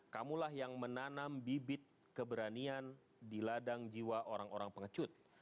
kamulah yang menanam bibit keberanian di ladang jiwa orang orang pengecut